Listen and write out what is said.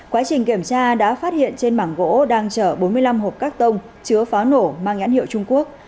quá trình kiểm tra đã phát hiện trên mảng gỗ đang chở bốn mươi năm hộp các tông chứa pháo nổ mang nhãn hiệu trung quốc